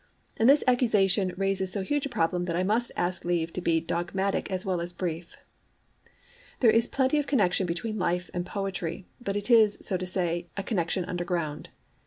And this accusation raises so huge a problem that I must ask leave to be dogmatic as well as brief. There is plenty of connexion between life and poetry, but it is, so to say, a connexion underground.